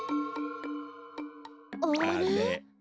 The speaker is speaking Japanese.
あれ？